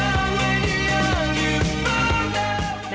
kreator akan memiliki keuntungan yang sangat luar biasa